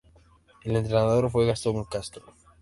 El entrenador fue Gastón Castro.